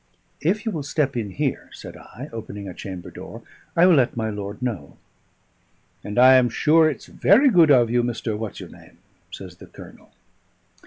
"If you will step in here," said I, opening a chamber door, "I will let my lord know." "And I am sure it's very good of you, Mr. What's your name," says the Colonel.